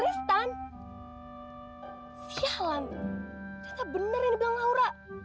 tristan siang bener bener